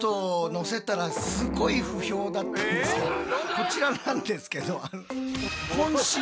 こちらなんですけど。